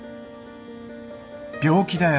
病気だよ。